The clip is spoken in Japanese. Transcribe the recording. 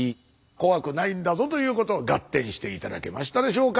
怖くないんだぞということガッテンして頂けましたでしょうか？